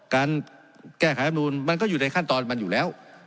การแก้ไขรับนูนมันก็อยู่ในขั้นตอนมันอยู่แล้ว